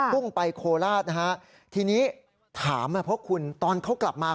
พุ่งไปโคราชนะฮะทีนี้ถามเพราะคุณตอนเขากลับมา